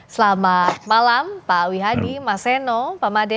selamat malam pak wihadi mas seno pak made